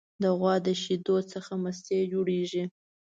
د غوا د شیدو څخه مستې جوړیږي.